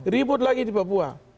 ribut lagi di papua